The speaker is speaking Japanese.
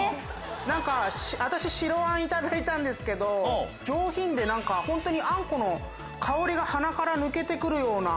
何か私白あんいただいたんですけど上品でホントにあんこの香りが鼻から抜けて来るような。